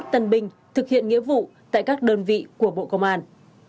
chín mươi một tân binh thực hiện nghĩa vụ tại các đơn vị của bộ công an